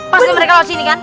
pas mereka lo disini kan